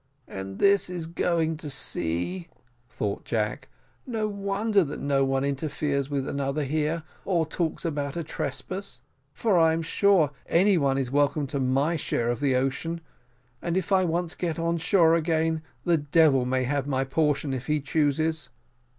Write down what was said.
"And this is going to sea," thought Jack; "no wonder that no one interferes with another here, or talks about a trespass; for I'm sure any one is welcome to my share of the ocean; and if I once get on shore again, the devil may have my portion if he chooses."